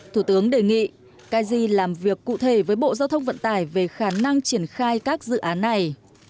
thủ tướng đề nghị kaji làm việc cụ thể với bộ giao thông vận tải về khả năng triển khai các dự án này